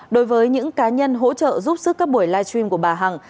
đối với những cá nhân hỗ trợ giúp sức các buổi live stream của bà hằng